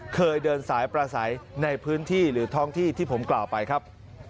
เคยเดินสายประสัยในพื้นที่หรือท้องที่ที่ผมกล่าวไปครับ